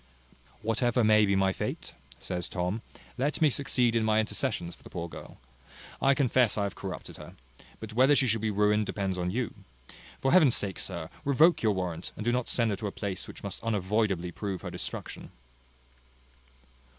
"Whatever may be my fate," says Tom, "let me succeed in my intercessions for the poor girl. I confess I have corrupted her! but whether she shall be ruined, depends on you. For Heaven's sake, sir, revoke your warrant, and do not send her to a place which must unavoidably prove her destruction."